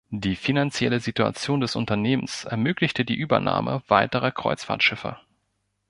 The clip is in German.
Die finanzielle Situation des Unternehmens ermöglichte die Übernahme weiterer Kreuzfahrtschiffe.